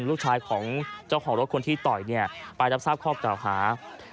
ลูกชายของเจ้าของรถคนที่ต่อยไปรับทราบข้อกล่าวหา